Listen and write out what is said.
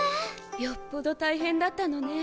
よっぽど大変だったのね。